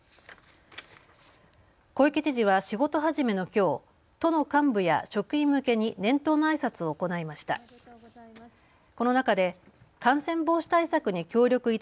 小池知事は、仕事始めのきょう都の幹部や職員向けに年頭のあいさつを行いました。